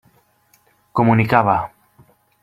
Comunicava.